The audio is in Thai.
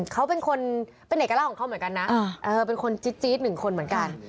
เขาเป็นคนเป็นเอกลักษณ์ของเขาเหมือนกันนะเป็นคนจี๊ดหนึ่งคนเหมือนกัน